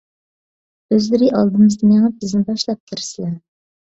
ئۆزلىرى ئالدىمىزدا مېڭىپ بىزنى باشلاپ كىرىسلە.